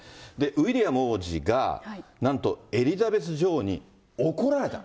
ウィリアム王子が、なんとエリザベス女王に怒られた。